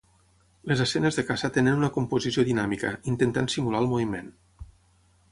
Les escenes de caça tenen una composició dinàmica, intentant simular el moviment.